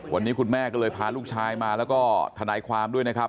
วันนี้คุณแม่ก็เลยพาลูกชายมาแล้วก็ทนายความด้วยนะครับ